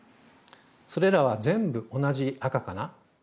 それらは全部同じ赤かな？